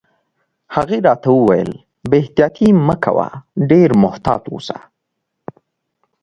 هغې راته وویل: بې احتیاطي مه کوه، ډېر محتاط اوسه.